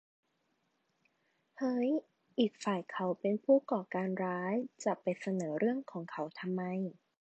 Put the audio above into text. เฮ้ย อีกฝ่ายเขาเป็นผู้ก่อการร้าย จะไปเสนอเรื่องของเขาทำไม ?